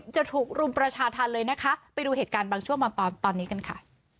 จะถูกรุมประชาธรรมเลยนะคะไปดูเหตุการณ์บางช่วงบางตอนตอนนี้กันค่ะ